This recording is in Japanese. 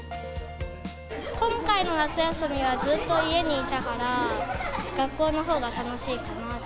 今回の夏休みは、ずっと家にいたから、学校のほうが楽しいかなと。